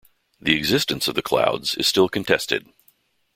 The existence of the clouds is still contested.